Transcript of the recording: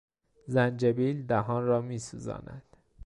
زنجبیل دهان را میسوزاند.